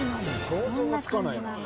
想像がつかないな。